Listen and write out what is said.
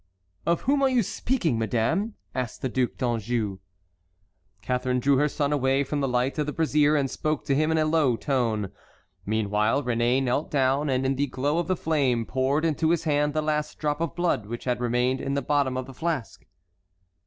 "Of whom are you speaking, madame?" asked the Duc d'Anjou. Catharine drew her son away from the light of the brazier and spoke to him in a low tone. Meanwhile Réné knelt down, and in the glow of the flame poured into his hand the last drop of blood which had remained in the bottom of the flask.